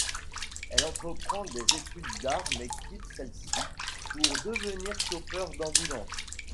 Elle entreprend des études d'art mais quitte celles-ci pour devenir chauffeur d'ambulance.